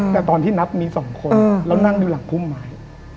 แต่ตอนที่นับมี๒คนแล้วนั่งอยู่หลังพุ่มไม้